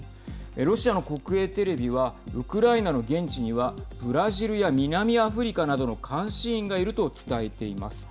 ロシアの国営テレビはウクライナの現地にはブラジルや南アフリカなどの監視員がいると伝えています。